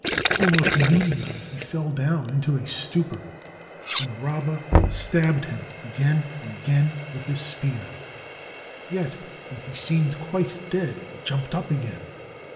Almost immediately he fell down in a stupor, and Rabba stabbed him again and again with his spear. Yet, when he seemed quite dead, he jumped up again.